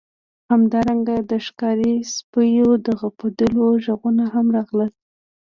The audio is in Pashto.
همدارنګه د ښکاري سپیو د غپیدلو غږونه هم راغلل